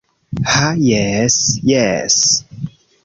Ha jes... jes...